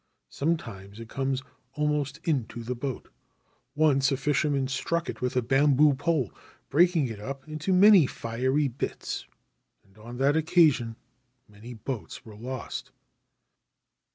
Sometimes it comes almost into the boat. Once a fisherman struck it with a bamboo pole, breaking it up into many fiery bits ; and on that occasion many boats were lost.